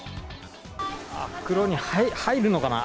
袋に入るのかな